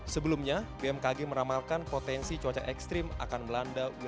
sebelumnya bmkg meramalkan potensi cuaca ekstrim akan melanda wilayah